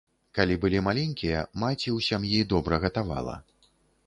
Калі былі маленькія, маці ў сям'і добра гатавала.